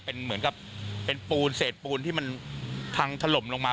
เป็นเหมือนกับเป็นปูนเศษปูนที่มันพังถล่มลงมา